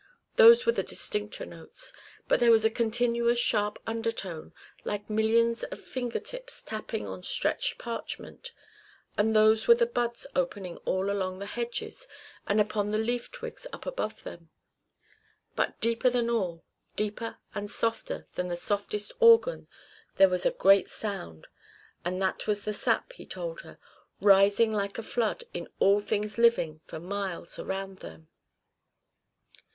Those were the distincter notes; but there was a continuous sharp undertone, like millions of finger tips tapping on stretched parchment; and those were the buds opening all along the hedges and upon the leaf twigs up above them. But deeper than all, deeper and softer than the softest organ, there was a great sound; and that was the sap, he told her, rising like a flood in all things living for miles around them.